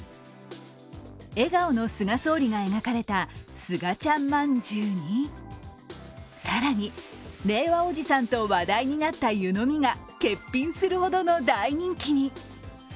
笑顔の菅総理が描かれたスガちゃんまんじゅうに更に、令和おじさんと話題になった湯飲みが欠品するほどの大人気に。